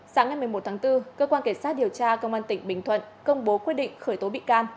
sáng ngày một mươi một tháng bốn cơ quan cảnh sát điều tra công an tỉnh bình thuận công bố quyết định khởi tố bị can